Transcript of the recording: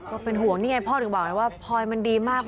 ก็เป็นห่วงนี่ไงพ่อถึงบอกเลยว่าพลอยมันดีมาก